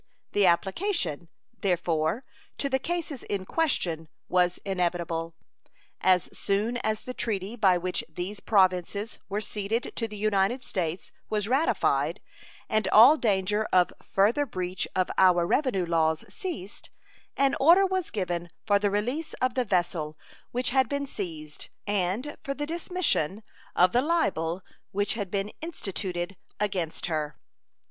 The application, therefore, to the cases in question was inevitable. As soon as the treaty by which these Provinces were ceded to the United States was ratified, and all danger of further breach of our revenue laws ceased, an order was given for the release of the vessel which had been seized and for the dismission of the libel which had been instituted against her.